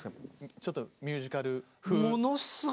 ちょっとミュージカル風。